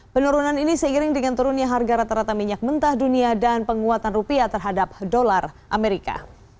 penurunan ini seiring dengan turunnya harga rata rata minyak mentah dunia dan penguatan rupiah terhadap dolar amerika